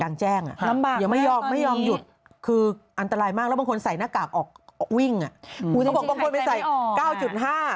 หายใจแรงมากแล้วร่างกายหัวใจกับกัน